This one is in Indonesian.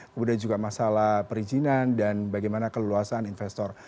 kemudian juga masalah perizinan dan bagaimana keleluasan investor